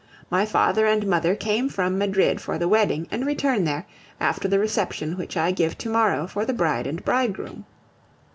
My father and mother came from Madrid for the wedding, and return there, after the reception which I give to morrow for the bride and bridegroom.